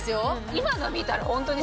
今の見たらホントに。